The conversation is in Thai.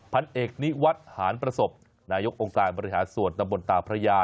พันเอกนิวัฒน์หานประสบนายกองค์การบริหารส่วนตำบลตาพระยา